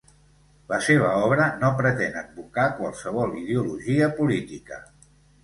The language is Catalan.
La seva obra no pretén advocar qualsevol ideologia política.